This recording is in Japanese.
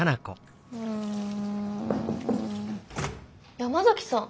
山崎さん。